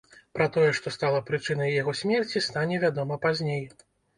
Пра тое, што стала прычынай яго смерці, стане вядома пазней.